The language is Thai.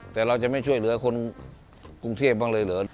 แต่เราจะไม่ช่วยเหลือคนกรุงเทพบ้างเลยเหรอ